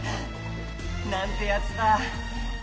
なんてやつだ。